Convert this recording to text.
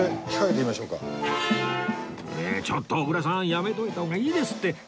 えっちょっと小倉さんやめといた方がいいですって